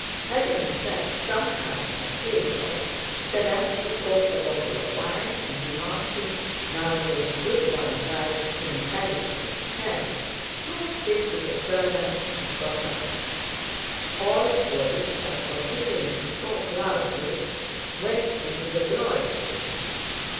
Having sat some time at table, Speránski corked a bottle of wine and, remarking, "Nowadays good wine rides in a carriage and pair," passed it to the servant and got up. All rose and continuing to talk loudly went into the drawing room.